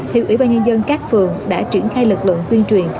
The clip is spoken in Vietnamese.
thì ủy ban nhân dân các phường đã triển khai lực lượng tuyên truyền